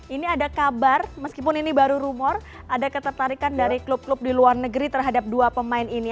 ini ada kabar meskipun ini baru rumor ada ketertarikan dari klub klub di luar negeri terhadap dua pemain ini